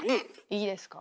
いいですか？